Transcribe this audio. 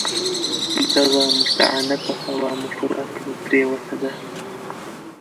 دغه متعفنه هوا مو پر عقل پرېوته ده.